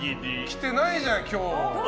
来てないじゃん、今日。